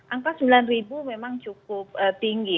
angka sembilan ribu memang cukup tinggi